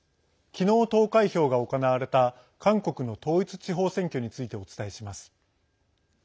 きのう投開票が行われた韓国の統一地方選挙についてお伝えします。